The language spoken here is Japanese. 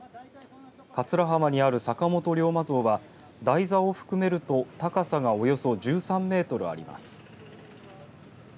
桂浜にある坂本龍馬像は台座を含めると高さがおよそ１３メートルあります。